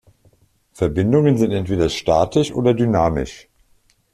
Verbindungen sind entweder statisch oder dynamisch.